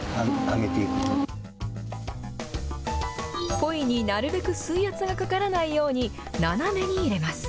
ポイになるべく水圧がかからないように、斜めに入れます。